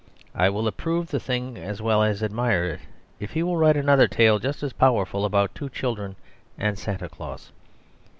I will approve the thing as well as admire it if he will write another tale just as powerful about two children and Santa Claus.